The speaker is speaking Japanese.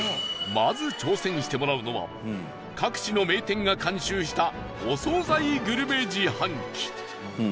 まず挑戦してもらうのは各地の名店が監修したお惣菜グルメ自販機